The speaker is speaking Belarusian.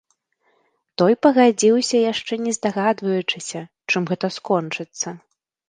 Той пагадзіўся, яшчэ не здагадваючыся, чым гэта скончыцца.